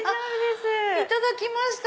いただきました。